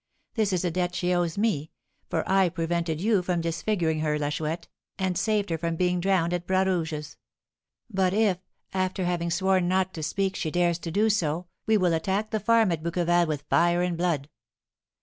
This is a debt she owes me, for I prevented you from disfiguring her, La Chouette, and saved her from being drowned at Bras Rouge's; but if, after having sworn not to speak, she dares to do so, we will attack the farm at Bouqueval with fire and blood!'